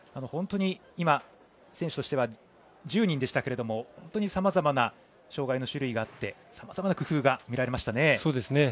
本当に今、選手としては１０人でしたけど本当にさまざまな障がいの種類があってさまざまな工夫が見られましたね。